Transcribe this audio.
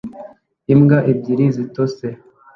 Imbwa ebyiri zitose